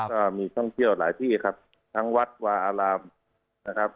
ก็มีท่องเที่ยวหลายที่ครับทั้งวัดวาอารามนะครับ